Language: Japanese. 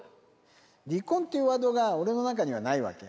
離婚っていうワードが、俺の中にはないわけ。